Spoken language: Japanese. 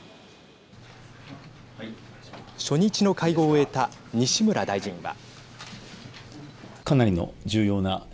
初日の会合を終えた西村大臣は。